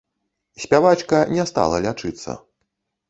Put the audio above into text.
Спявачка не стала лячыцца.